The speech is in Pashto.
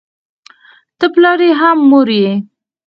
ته پلار یې هم مې مور